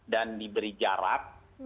dan diberi jarak